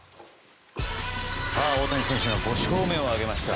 大谷選手が５勝目を挙げました。